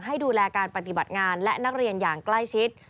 ให้ดูแลการปฏิบัติงานและนักเรียนอย่างใกล้ชิด